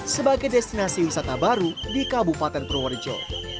sebagai destinasi wisata baru di kabupaten purworejo